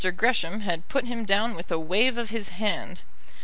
Gresham had put him down with a wave of his hand.